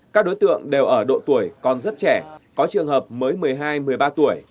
các đối tượng đều ở độ tuổi còn rất trẻ có trường hợp mới một mươi hai một mươi ba tuổi